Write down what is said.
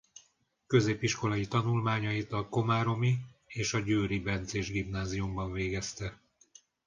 Középiskolai tanulmányait a komáromi és a győri bencés gimnáziumban végezte.